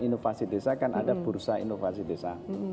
inovasi desa kan ada bursa inovasi desa